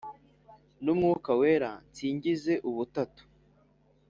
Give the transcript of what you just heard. n'umwuka wera , nsingize ubutatu.